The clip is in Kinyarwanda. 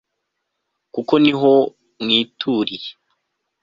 kuko niho mwituriye